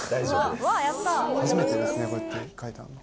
初めてですねこうやって書いてあるの。